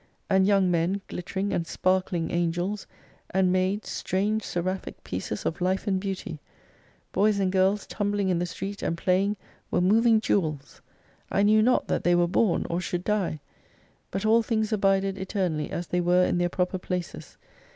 A.nd young men glittering and sparkling Angels, and mads strange seraphic pieces of life and beauty ! Boys and girls tumbling in the street, and playing, were moTing jewels. I knew not that they were born or should die ; But all things abided eternally as they were in tieir proper places.